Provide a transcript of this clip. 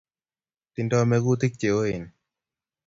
Tingdoi mekutik che ooen